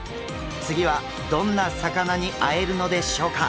次はどんな魚に会えるのでしょうか？